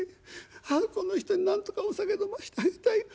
ああこの人になんとかお酒飲ましてあげたい。